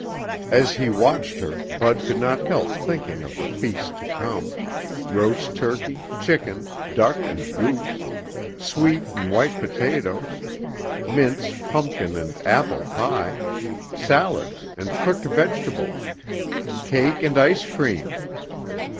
As he watched her, Bud could not help thinking of the feast to come roast turkey, chicken, duck and goose; sweet and white potatoes; mince, pumpkin and apple pie; salads and cooked vegetables; cake and ice cream.